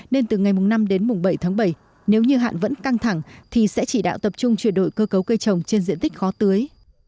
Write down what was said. nên từ ngày năm đến bảy tháng bảy nếu như hạn vẫn căng thẳng thì sẽ chỉ đạo tập trung chuyển đổi cơ cấu cây trồng trên diện tích khó tưới